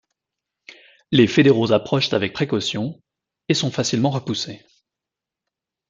Les fédéraux approchent avec précaution et sont facilement repoussés.